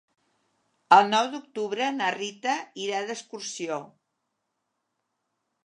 El nou d'octubre na Rita irà d'excursió.